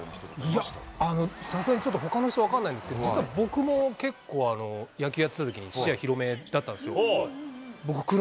いや、さすがにちょっとほかの人分からないんですけど、実は僕も野球やってたときに視野広めだったんですよ。